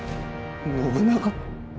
信長。